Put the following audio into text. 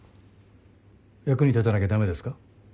役に立たなきゃ駄目ですか？